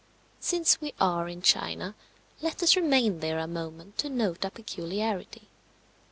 Since we are in China, let us remain there a moment to note a peculiarity.